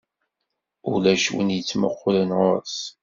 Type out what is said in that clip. Ulac win yettmuqqulen ɣuṛ-s.